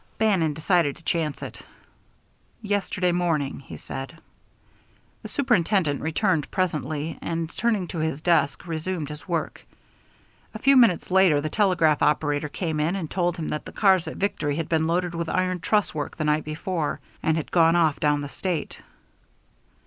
Bannon decided to chance it. "Yesterday morning," he said. The superintendent returned presently, and, turning to his desk, resumed his work. A few minutes later the telegraph operator came in and told him that the cars at Victory had been loaded with iron truss work the night before, and had gone off down the State.